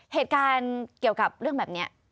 เหตุการณ์เกี่ยวกับเรื่องแบบนี้